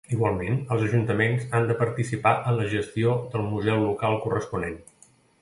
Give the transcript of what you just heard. Igualment, els ajuntaments han de participar en la gestió del museu local corresponent.